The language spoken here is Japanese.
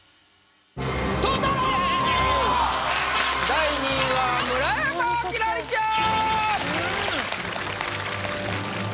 第２位は村山輝星ちゃん！